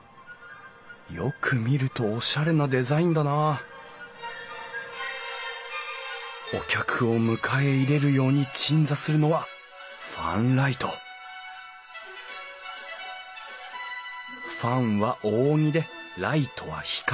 よく見るとおしゃれなデザインだなお客を迎え入れるように鎮座するのはファンライトファンは扇でライトは光。